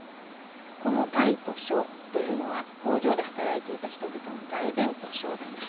この大と小というのは工場で働いていた人々の大便と小便です。